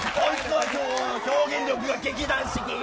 表現力が劇団四季。